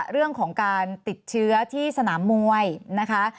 เรื่องของการติดเชื้อที่สนามมวยนะคะ